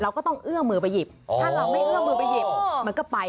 ก็ต้องเอื้อมมือไปหยิบถ้าเราไม่เอื้อมือไปหยิบมันก็ไป